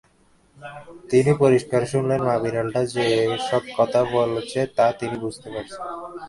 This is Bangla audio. তিনি পরিষ্কার শুনলেন-মা-বিড়ালটা যে-সব কথা বলছে তা তিনি বুঝতে পারছেন।